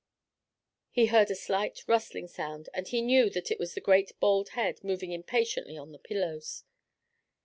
He heard a slight rustling sound and he knew that it was the great bald head moving impatiently on the pillows.